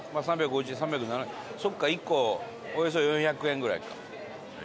そっか１個およそ４００円ぐらいか。